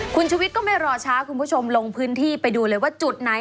คุณชุวิตก็ไม่รอช้าคุณผู้ชมลงพื้นที่ไปดูเลยว่าจุดไหน